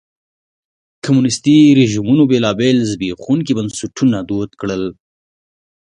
کمونیستي رژیمونو بېلابېل زبېښونکي بنسټونه دود کړل.